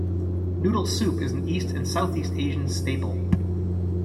Noodle soup is an East and Southeast Asian staple.